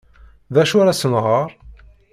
D acu ara sen-rreɣ?